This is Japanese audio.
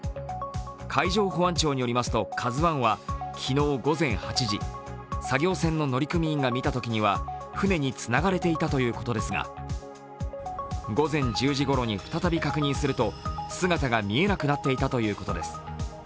海上保安庁によりますと、「ＫＡＺＵⅠ」は昨日午前８時、作業船の乗組員が見たときには船につながれていたということですが午前１０時ごろに再び確認すると姿が見えなくなっていたということです。